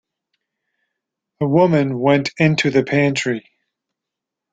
The woman went into the pantry.